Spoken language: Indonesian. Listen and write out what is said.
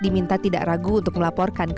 diminta tidak ragu untuk melaporkan